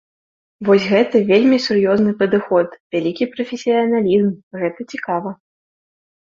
Вось гэта вельмі сур'ёзны падыход, вялікі прафесіяналізм, гэта цікава.